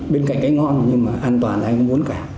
bên cạnh cái ngon nhưng mà an toàn là anh cũng muốn cả